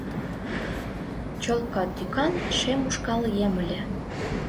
Чолка тӱкан шем ушкал ем ыле